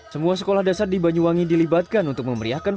semua sekolah dasar di banyuwangi dilibatkan untuk memeriahkan